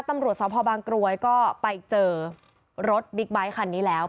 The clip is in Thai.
ตำรวจสพบางกรวยก็ไปเจอรถบิ๊กไบท์คันนี้แล้ว